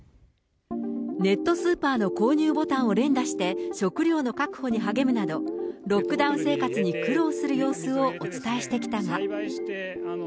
ネットスーパーの購入ボタンを連打して、食料の確保に励むなど、ロックダウン生活に苦労する様子をお伝えしてきたが。